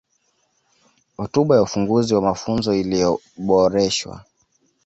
Hotuba ya Ufunguzi wa Mafunzo iliyoboreshwa